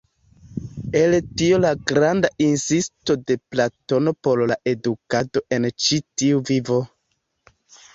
El tio la granda insisto de Platono por la edukado en ĉi tiu vivo.